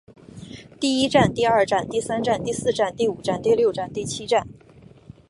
第一战第二战第三战第四战第五战第六战第七战